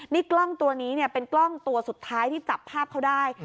นี่กล้องตัวนี้เนี่ยเป็นกล้องตัวสุดท้ายที่จับภาพเขาได้